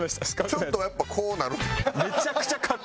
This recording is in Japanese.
ちょっとやっぱこうなる。